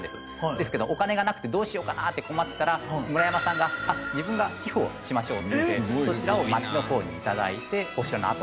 ですけどお金がなくてどうしようかなって困ってたら村山さんが「自分が寄付をしましょう」ってそちらを町の方に頂いて。